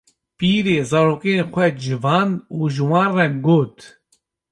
pîrê zarokên xwe civand û ji wan re got: